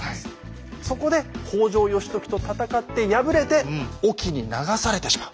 そこで北条義時と戦って敗れて隠岐に流されてしまう。